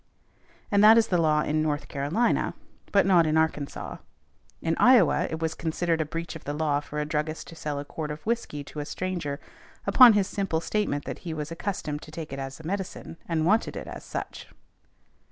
And that is the law in North Carolina, but not in Arkansas . In Iowa it was considered a breach of the law for a druggist to sell a quart of whiskey to a stranger upon his simple statement that he was accustomed to take it as a medicine and wanted it as such .